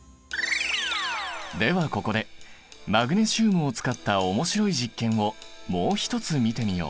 ではここでマグネシウムを使った面白い実験をもう一つ見てみよう。